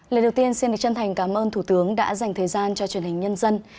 lời đầu tiên xin được chân thành cảm ơn thủ tướng đã dành thời gian cho truyền hình nhân dân